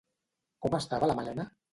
Com estava la Malena?